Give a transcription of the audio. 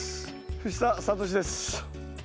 藤田智です。